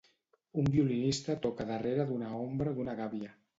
Un violinista toca darrere d'una ombra d'una gàbia.